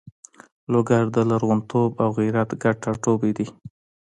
لوګر د لرغونتوب او غیرت ګډ ټاټوبی ده.